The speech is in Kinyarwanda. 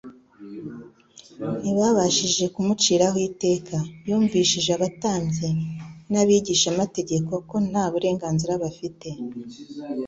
Ntibabashije kumuciraho iteka. Yumvishije abatambyi n'abigishamategeko ko nta burenganzira bafite